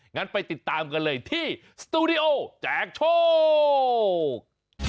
งั้นไปติดตามกันเลยที่สตูดิโอแจกโชค